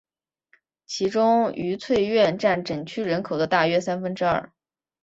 其中愉翠苑占整区人口的大约三分之二。